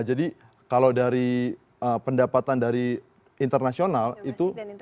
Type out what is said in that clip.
jadi kalau dari pendapatan dari internasional itu